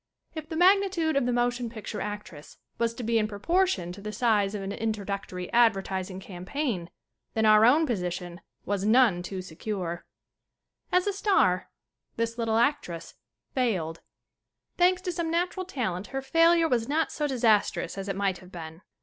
If the magnitude of the motion picture act ress was to be in proportion to the size of an introductory advertising campaign then our own position was none too secure. SCREEN ACTING 25 As a star this little actress failed. Thanks to some natural talent her failure was not so disastrous as it might have been.